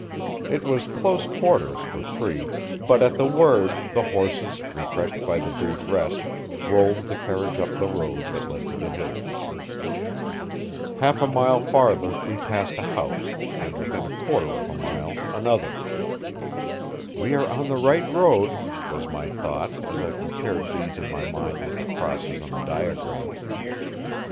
It was close quarters for three, but at the word the horses, refreshed by the brief rest, rolled the carriage up the road that led to the hills. Half a mile farther we passed a house, and within a quarter of a mile another. "We are on the right road," was my thought as I compared these in my mind with the crosses on the diagram.